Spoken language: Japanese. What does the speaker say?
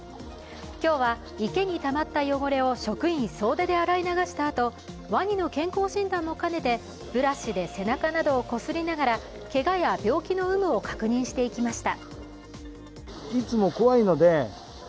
今日は池にたまった汚れを職員総出で洗い流したあとワニの健康診断も兼ねてブラシで背中などをこすりながらけがや病気の有無を確認していきました。